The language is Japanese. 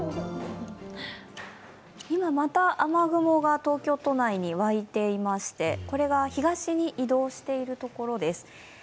今、また雨雲が東京都内に湧いていましてこれが東に移動しているところです。